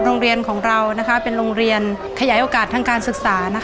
โรงเรียนของเราเป็นโรงเรียนขยายโอกาสทางการศึกษา